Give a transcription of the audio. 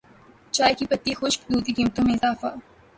چائے کی پتی خشک دودھ کی قیمتوں میں اضافہ